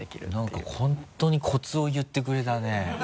なんか本当にコツを言ってくれたね。